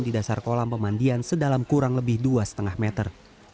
di dasar kolam pemandian sedalam kurang lebih dua lima meter